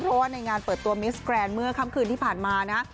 เพราะว่าในงานเปิดตัวมิสแกรนด์เมื่อค่ำคืนที่ผ่านมานะ